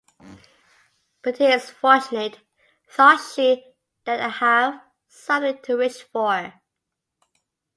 But it is fortunate, thought she, that I have something to wish for.